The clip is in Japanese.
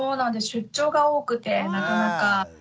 出張が多くてなかなかはい。